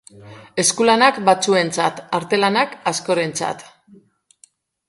Eskulanak batzuentzat, artelanak askorentzat.